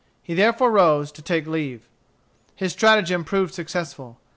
He therefore rose to take leave. His stratagem proved successful.